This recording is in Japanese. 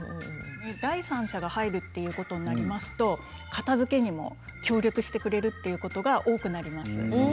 第三者が入るということになると片づけにも協力してくれるということが多くなります。